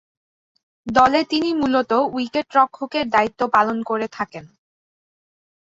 দলে তিনি মূলত উইকেট রক্ষকের দায়িত্ব পালন করে থাকেন।